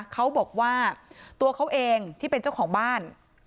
เขาบอกว่าตัวเขาเองที่เป็นเจ้าของบ้าน